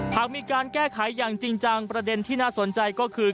หากมีการแก้ไขอย่างจริงจังประเด็นที่น่าสนใจก็คือ